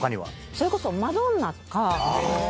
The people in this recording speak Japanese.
それこそマドンナとか。